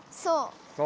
そう。